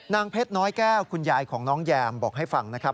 นางเพชรน้อยแก้วคุณยายของน้องแยมบอกให้ฟังนะครับ